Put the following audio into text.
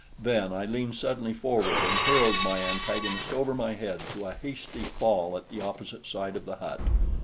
Then I leaned suddenly forward and hurled my antagonist over my head to a hasty fall at the opposite side of the hut.